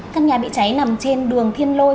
căn nhà bị cháy nằm trên đường thiên lôi